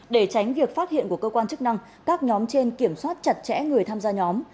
để tránh việc phát hiện của cơ quan chức năng các nhóm trên kiểm soát chặt chẽ người tham gia nhóm